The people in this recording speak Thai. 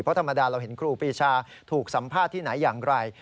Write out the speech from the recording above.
เพราะธรรมดาเราเห็นครูปีชาถูกสัมภาษณ์ที่ไหนอย่างไร